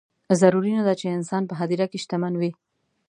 ضروري نه ده چې انسان په هدیره کې شتمن وي.